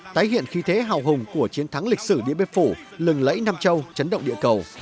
tái hiện khí thế hào hùng của chiến thắng lịch sử điện biên phủ lừng lẫy nam châu chấn động địa cầu